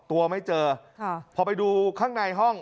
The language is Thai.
ตัวไม่เจอค่ะพอไปดูข้างในห้อง